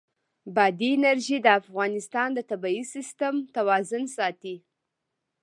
بادي انرژي د افغانستان د طبعي سیسټم توازن ساتي.